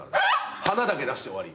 花だけ出して終わり。